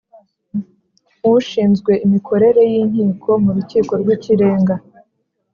ushinzwe imikorere y’inkiko mu Rukiko rw’Ikirenga